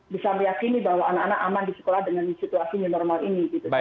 bisa meyakini bahwa anak anak aman di sekolah dengan situasi menormalin